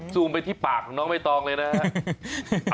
ไปที่ปากของน้องใบตองเลยนะครับ